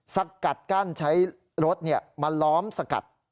สกัดกั้นใช้รถมาล้อมสกัด